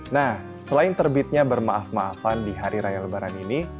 nah selain terbitnya bermaaf maafan di hari raya lebaran ini